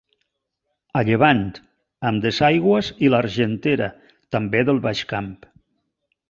A llevant, amb Duesaigües i l'Argentera, també del Baix Camp.